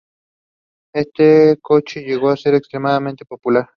Este coche llegó a ser extremadamente popular.